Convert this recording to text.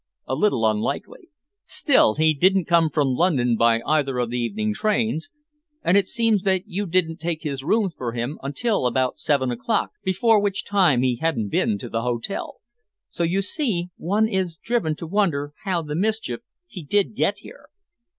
"A little unlikely. Still, he didn't come from London by either of the evening trains, and it seems that you didn't take his rooms for him until about seven o'clock, before which time he hadn't been to the hotel. So, you see, one is driven to wonder how the mischief he did get here."